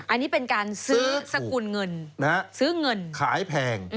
อันนี้เป็นการซื้อสกุลเงินซื้อเงินขายแพง